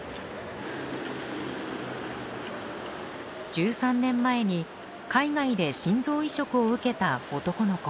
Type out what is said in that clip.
１３年前に海外で心臓移植を受けた男の子。